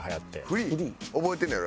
覚えてんのやろ？